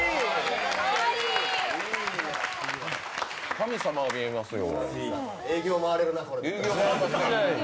神様に見えますよ。